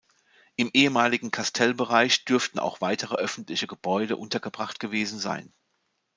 Im ehemaligen Kastellbereich dürften auch weitere öffentliche Gebäude untergebracht gewesen sein.